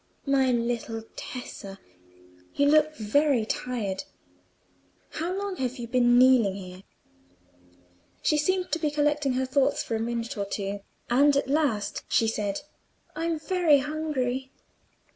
"My little Tessa! you look very tired. How long have you been kneeling here?" She seemed to be collecting her thoughts for a minute or two, and at last she said— "I'm very hungry."